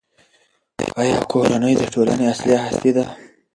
آیا کورنۍ د ټولنې اصلي هسته ده؟